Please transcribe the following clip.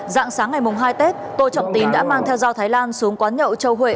giạng sáng ngày hai tết tô trọng tín đã mang theo giao thái lan xuống quán nhậu châu huệ